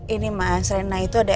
ini mas rena itu ada